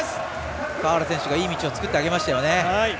川原選手がいい道を作ってあげました。